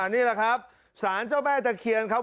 นี่แหละครับสารเจ้าแม่ตะเคียนครับ